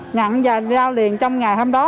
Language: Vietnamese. nhận và giao liền trong ngày hôm đó